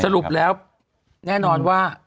สรุปแล้วแน่นอนว่า